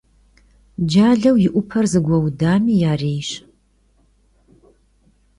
Caleu yi 'Upe zegueudami yarêyş.